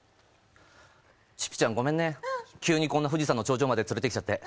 ちぴちゃん、ごめんね、急にこんな富士山の頂上まで連れてきちゃって。